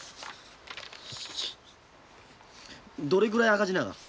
どれぐらい赤字なが？